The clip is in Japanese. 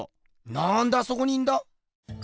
なんであそこにいんだ？